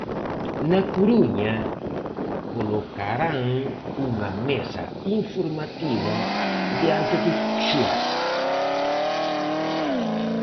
Na Coruña colocarán unha mesa informativa diante do Chuac.